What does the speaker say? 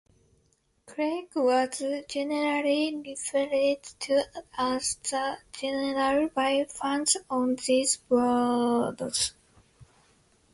Krulak was generally referred to as "The General" by fans on these boards.